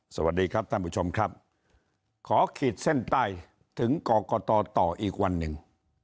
สวัสดีครับท่านผู้ชมครับขอขีดเส้นใต้ถึงกรกตต่ออีกวันหนึ่ง